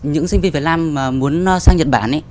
những sinh viên việt nam mà muốn sang nhật bản